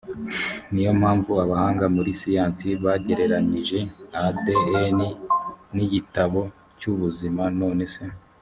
ni yo mpamvu abahanga muri siyansi bagereranyije adn n igitabo cy ubuzima none se